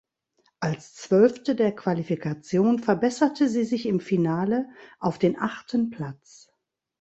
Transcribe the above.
Als Zwölfte der Qualifikation verbesserte sie sich im Finale auf den achten Platz.